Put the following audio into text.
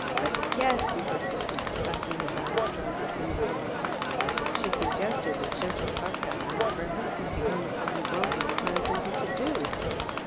"But guess!" he persisted, clapping the balustrade between his hands. She suggested, with gentle sarcasm, that perhaps he had gone to Poggibonsi to find something to do.